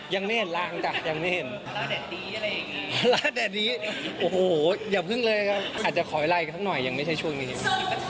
ยังไม่เห็นรางจ้ายังไม่เห็น